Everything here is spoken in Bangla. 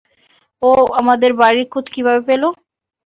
ও আমাদের বাড়ির খোঁজ কীভাবে পেলো?